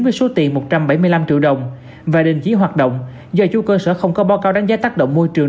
với số tiền một trăm bảy mươi năm triệu đồng và định chí hoạt động do chú cơ sở không có báo cáo đánh giá tác động môi trường